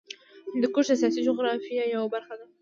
هندوکش د سیاسي جغرافیه یوه برخه ده.